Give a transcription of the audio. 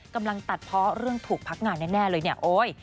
กำลังตัดเพราะเรื่องถูกพักงานแน่เลยเนี่ยโอ๊ย